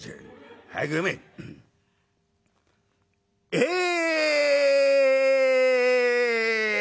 「ええ」。